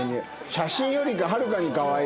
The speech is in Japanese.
写真よりかはるかにかわいい。